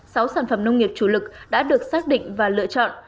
sáu sản phẩm nông nghiệp chủ lực đã được xác định và lựa chọn